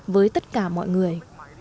với tất cả mọi người